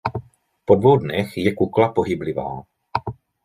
Po dvou dnech je kukla pohyblivá.